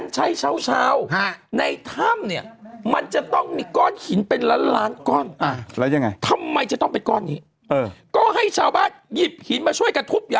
ช่วงหน้าคุยด้วยครับ